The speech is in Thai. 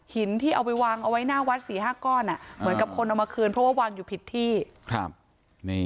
หยินที่เอาไปวางไว้หน้าวัด๔๕ก้อนเหมือนกับคนเอามาคืนเพราะว่าวางอยู่ผิดที่